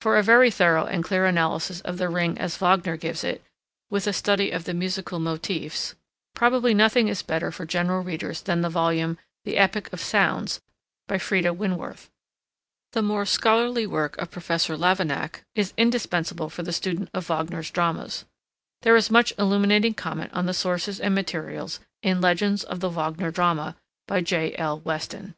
For a very thorough and clear analysis of the Ring as Wagner gives it, with a study of the musical motifs, probably nothing is better for general readers than the volume "The Epic of Sounds," by Freda Winworth. The more scholarly work of Professor Lavignac is indispensable for the student of Wagner's dramas. There is much illuminating comment on the sources and materials in "Legends of the Wagner Drama" by J. L. Weston.